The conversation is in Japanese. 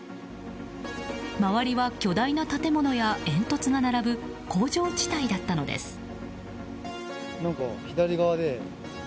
周りは巨大な建物や煙突が並ぶ工場地帯だったのです。